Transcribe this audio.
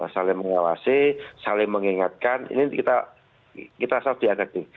saling mengawasi saling mengingatkan ini kita harus diadakan